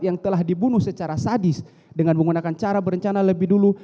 yang telah dibunuh secara sadis dengan menggunakan cara berencana lebih dulu